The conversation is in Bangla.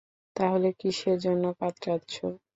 তাহলে কিসের জন্য কাতরাচ্ছো?